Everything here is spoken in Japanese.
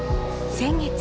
先月。